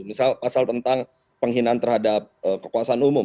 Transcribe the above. misal pasal tentang penghinaan terhadap kekuasaan umum